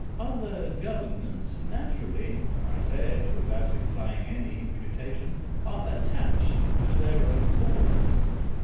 Other governments naturally — I say it without implying any imputation — are attached to their own forms.